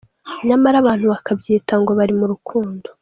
Nyamara abantu bakabyita ngo "bari mu rukundo".